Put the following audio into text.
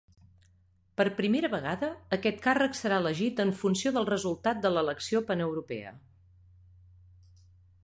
Per primera vegada, aquest càrrec serà elegit en funció del resultat de l'elecció paneuropea.